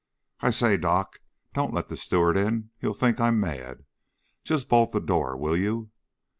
"I say, Doc, don't let the steward in! He'll think I'm mad. Just bolt the door, will you!"